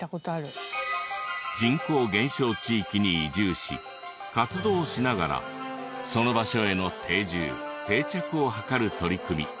人口減少地域に移住し活動しながらその場所への定住定着を図る取り組み